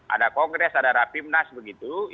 ada kongres ada rapimnas begitu